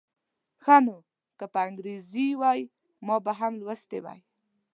ښه نو که په انګریزي وای ما به هم لوستی و.